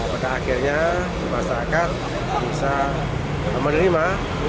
pada akhirnya masyarakat bisa menerima